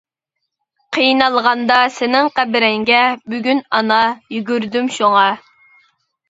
قىينالغاندا سېنىڭ قەبرەڭگە، بۈگۈن ئانا، يۈگۈردۈم شۇڭا.